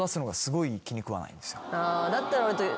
だったら俺と。